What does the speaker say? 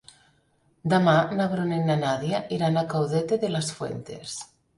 Demà na Bruna i na Nàdia iran a Caudete de las Fuentes.